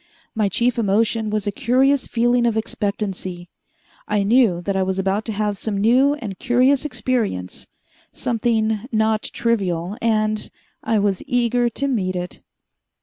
My chief emotion was a curious feeling of expectancy. I knew that I was about to have some new and curious experience, something not trivial, and I was eager to meet it.